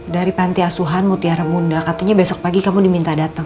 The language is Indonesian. dari pantai asuhan mutiara munda katanya besok pagi kamu diminta dateng